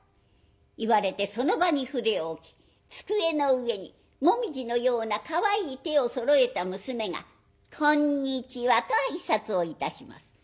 言われてその場に筆を置き机の上に紅葉のようなかわいい手をそろえた娘が「こんにちは」と挨拶をいたします。